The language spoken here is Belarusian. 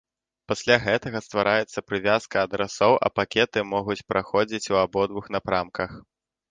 Пасля гэтага ствараецца прывязка адрасоў, а пакеты могуць праходзіць ў абодвух напрамках.